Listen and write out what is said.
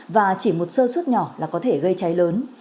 và chỉ một sơ suất nhỏ là có thể gây cháy lớn